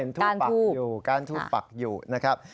อ๋อเห็นทูปปักอยู่การทูปปักอยู่นะครับ